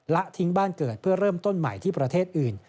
และทิ้งบ้านเกิดเพื่อเริ่มต้นใหม่ที่ประเทศอื่น